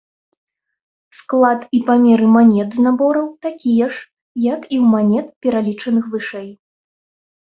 Склад і памеры манет з набораў такія жа, як і ў манет, пералічаных вышэй.